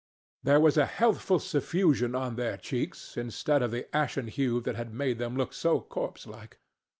There was a healthful suffusion on their cheeks instead of the ashen hue that had made them look so corpse like.